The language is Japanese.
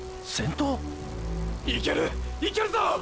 ⁉いけるっいけるぞ！！